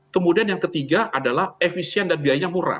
kemudian yang ketiga adalah efisien dan biayanya murah